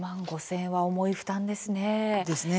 ６万５０００円は重い負担ですね。